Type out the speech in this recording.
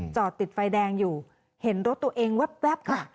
จอดติดไฟแดงอยู่เห็นรถตัวเองแว๊บค่ะ